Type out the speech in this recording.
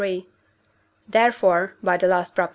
therefore (by the last Prop.)